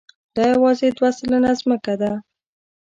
دا یواځې دوه سلنه ځمکه ده.